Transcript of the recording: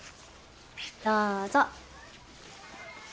どうぞ。